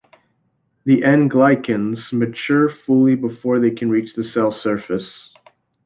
The N-glycans mature fully before they reach the cell surface.